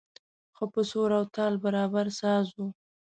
ښه په سور او تال برابر ساز و.